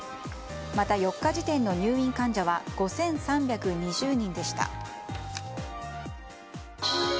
また、４日時点の入院患者は５３２０人でした。